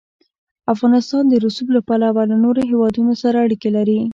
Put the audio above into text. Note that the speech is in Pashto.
افغانستان د رسوب له پلوه له نورو هېوادونو سره اړیکې لري.